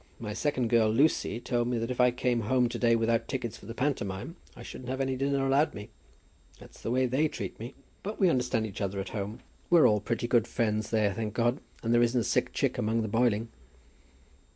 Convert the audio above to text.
My second girl, Lucy, told me that if I came home to day without tickets for the pantomime I shouldn't have any dinner allowed me. That's the way they treat me. But we understand each other at home. We're all pretty good friends there, thank God. And there isn't a sick chick among the boiling."